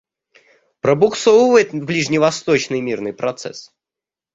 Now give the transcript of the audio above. Пробуксовывает ближневосточный мирный процесс.